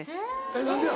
えっ何でや？